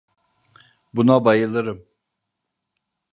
Buna bayılırım.